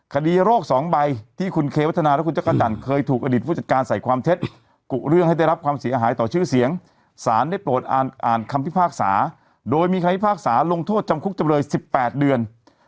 คดีโรคสองใบที่คุณเควัฒนาและคุณเจ้าข้าจัน